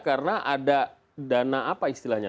karena ada dana apa istilahnya